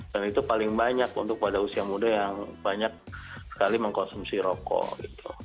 dan itu paling banyak untuk pada usia muda yang banyak sekali mengkonsumsi rokok gitu